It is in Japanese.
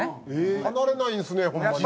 離れないんですねホンマに。